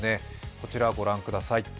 こちらご覧ください。